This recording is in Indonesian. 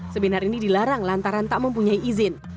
seminar ini dilarang lantaran tak mempunyai izin